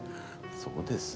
そうですね。